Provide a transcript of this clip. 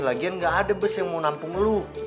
lagian gak ada bus yang mau nampung lu